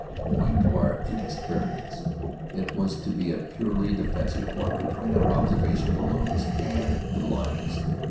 Owing to our inexperience, it was to be a purely defensive one between our observation balloons and the lines.